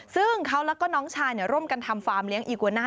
ซึ่งเขาแล้วก็น้องชายร่วมกันทำฟาร์มเลี้ยอีกวาน่า